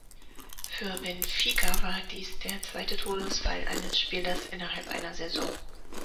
Für Benfica war dies der zweite Todesfall eines Spielers innerhalb einer Saison.